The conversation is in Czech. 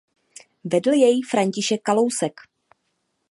Vedl jej František Kalousek.